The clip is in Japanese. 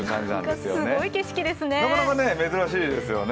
すごい景色ですね。